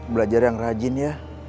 belajar yang rajin ya